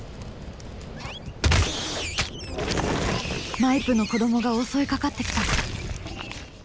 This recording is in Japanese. マイプの子どもが襲いかかってきた。